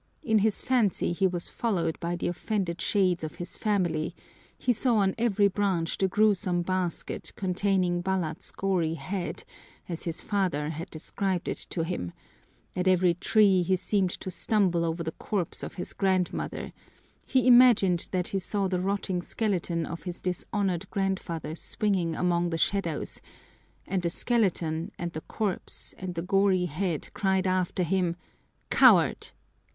In his fancy he was followed by the offended shades of his family, he saw on every branch the gruesome basket containing Balat's gory head, as his father had described it to him; at every tree he seemed to stumble over the corpse of his grandmother; he imagined that he saw the rotting skeleton of his dishonored grandfather swinging among the shadows and the skeleton and the corpse and the gory head cried after him, "Coward!